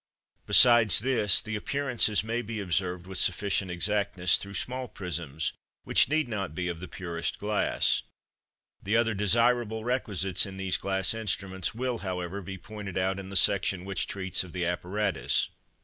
Besides this, the appearances may be observed with sufficient exactness through small prisms, which need not be of the purest glass. The other desirable requisites in these glass instruments will, however, be pointed out in the section which treats of the apparatus.